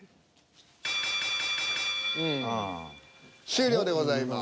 終了でございます。